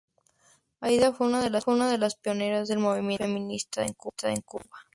Aída fue una de las pioneras del movimiento feminista en Cuba.